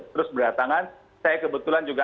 terus berdatangan saya kebetulan juga